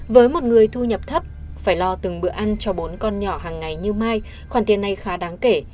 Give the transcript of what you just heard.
với một người thu nhập thấp phải lo từng bữa ăn cho bốn con nhỏ hàng ngày như mai khoản tiền này khá đáng kể